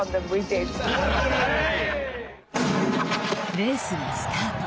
レースがスタート。